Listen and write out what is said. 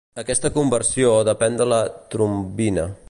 Aquesta conversió depèn de la trombina.